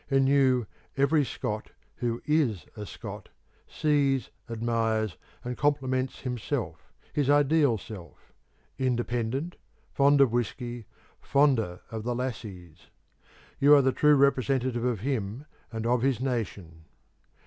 In you every Scot who is a Scot sees, admires, and compliments Himself, his ideal self independent, fond of whisky, fonder of the lassies; you are the true representative of him and of his nation.